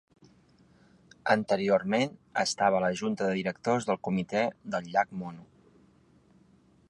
Anteriorment estava a la junta de directors del Comitè del Llac Mono.